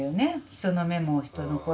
人の目も人の声も。